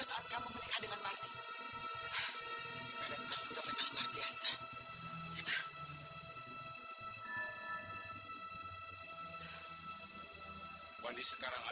saya sudah selalu mengikuti ilmu yang menarik